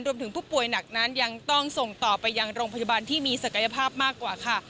ผู้ป่วยหนักนั้นยังต้องส่งต่อไปยังโรงพยาบาลที่มีศักยภาพมากกว่าค่ะ